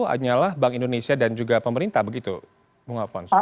hanyalah bank indonesia dan juga pemerintah begitu bung alfons